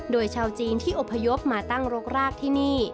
โดยชาวจีนที่อพยพมาตั้งรกรากที่นี่